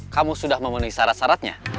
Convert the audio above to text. kamu sudah memenuhi syarat syaratnya